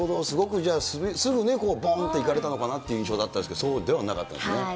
すごくじゃあ、すぐね、ぼーんといかれたのかなって印象だったんですけど、そうではなかったんですね。